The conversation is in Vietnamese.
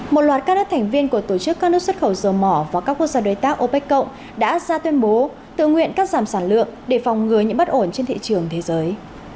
một loạt các đất thành viên của tổ chức các nước xuất khẩu dầu mỏ và các quốc gia đối tác opec cộng đã ra tuyên bố tự nguyện cắt giảm sản lượng để phòng ngừa những bất ổn trên thị trường thế giới